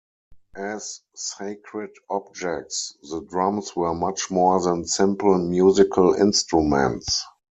As sacred objects, the drums were much more than simple musical instruments.